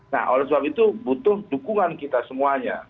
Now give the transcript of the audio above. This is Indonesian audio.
nah oleh sebab itu butuh dukungan kita semuanya